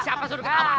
siapa suruh ketawa